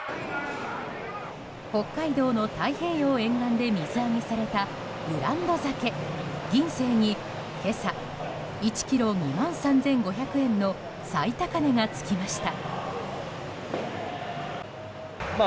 北海道の太平洋沿岸で水揚げされたブランド鮭、銀聖に今朝１ｋｇ、２万３５００円の最高値が付きました。